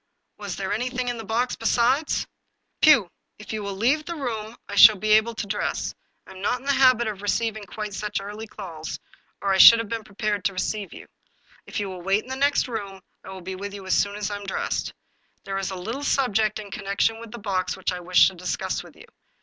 Was there anything in the box besides ?"" Pugh, if you will leave the room I shall be able to dress; I am not in the habit of receiving quite such early calls, or I should have been prepared to receive you. If you will wait in the next room, I will be with you as soon as I'm dressed. There is a little subject in connection with the box which I wish to discuss with you."